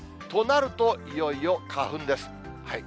となると、いよいよ花粉です。